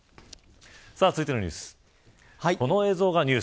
続いてのニュース。